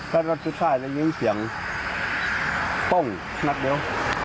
แล้วรถสุดท้ายจะยิงเสียงต้งนัดเดียว